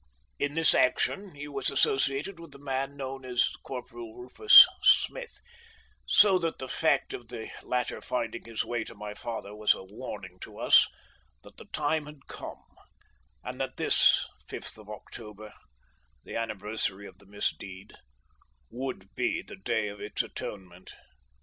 In this action he was associated with the man known as Corporal Rufus Smith, so that the fact of the latter finding his way to my father was a warning to us that the time had come, and that this 5th of October the anniversary of the misdeed would be the day of its atonement.